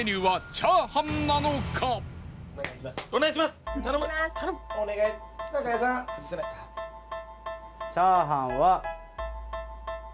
チャーハンは。